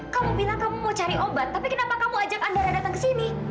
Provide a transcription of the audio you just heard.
kamu bilang kamu mau cari obat tapi kenapa kamu ajak anda datang ke sini